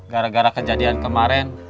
gara gara kejadian kemarin